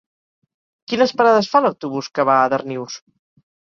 Quines parades fa l'autobús que va a Darnius?